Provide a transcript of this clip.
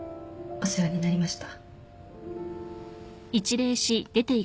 お世話になりました。